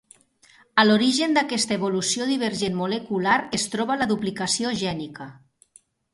A l'origen d'aquesta evolució divergent molecular es troba la duplicació gènica.